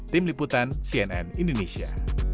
tim liputan cnn indonesia